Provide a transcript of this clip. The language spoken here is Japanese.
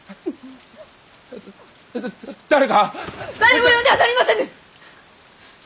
誰も呼んではなりませぬ！